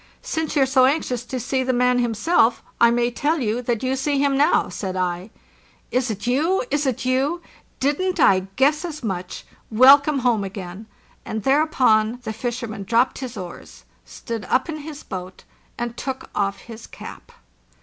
| "Since you're so anxious to see the man himself, I may tell you that you see him now," said I. "Is it you? Is it you? Didn't I guess as much! Welcome home again!" And thereupon the fisherman dropped his oars, stood up in his boat, and took off his cap.